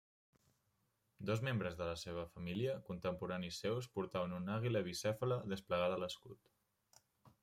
Dos membres de la seva família, contemporanis seus, portaven una àguila bicèfala desplegada a l'escut.